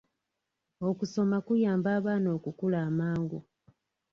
Okusoma kuyamba abaana okukula amangu.